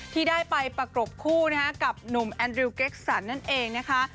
ที่ได้ไปประกบคู่กับหนุ่มแอนดริวเก็กซันนั่นเองนะคะ